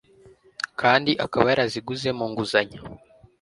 kandi akaba yari yaraziguze mu nguzanyo